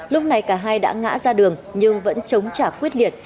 lúc này cả hai đã ngã ra đường nhưng vẫn chống trả quyết liệt